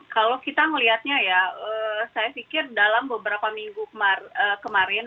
kalau kita melihatnya ya saya pikir dalam beberapa minggu kemarin